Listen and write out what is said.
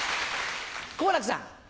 好楽さん。